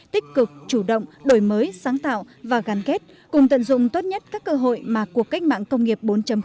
tích cực chủ động đổi mới sáng tạo và gắn kết cùng tận dụng tốt nhất các cơ hội mà cuộc cách mạng công nghiệp bốn